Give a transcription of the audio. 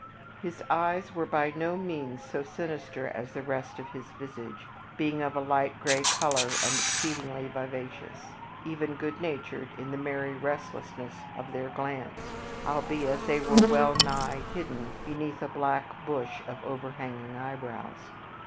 His eyes were by no means so sinister as the rest of his visage, being of a light gray color and exceedingly vivacious even good natured in the merry restlessness of their glance albeit they were well nigh hidden beneath a black bush of overhanging eyebrows.